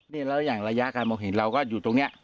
นี่แล้วอย่างระยะการมองเห็นเราก็อยู่ตรงนี้